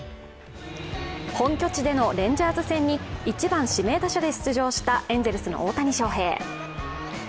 本拠地でのレンジャーズ戦に１番・指名打者で出場したエンゼルスの大谷翔平。